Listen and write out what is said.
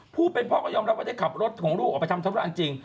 ผู้เป็นพ่อก็ยอมรับว่าได้ขับรถของลูกออกไปทำธุระจริง